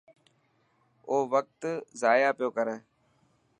او وقت ضايع پيو ڪري.